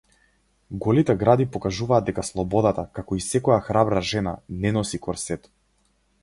Голите гради покажуваат дека слободата, како и секоја храбра жена, не носи корсет.